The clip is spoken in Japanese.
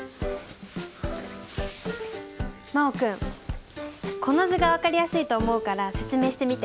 真旺君この図が分かりやすいと思うから説明してみて。